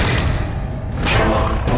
gak ada apa apa